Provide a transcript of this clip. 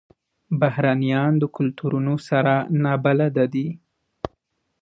بهرنیان د کلتورونو سره نابلده دي.